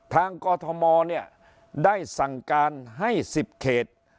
ทางกธโมได้สั่งการให้๑๐เขต